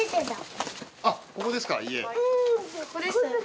あっここですか家。